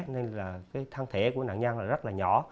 nên là thang thể của nạn nhân là rất là nhỏ